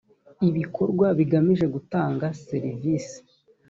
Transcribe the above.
ibikorwa bigamije gutanga serivisi